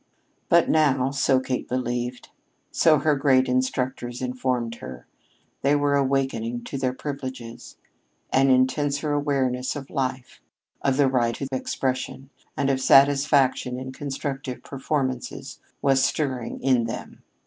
But now, so Kate believed, so her great instructors informed her, they were awakening to their privileges. An intenser awareness of life, of the right to expression, and of satisfaction in constructive performances was stirring in them.